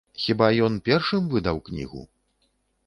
Хіба ён першым выдаў кнігу?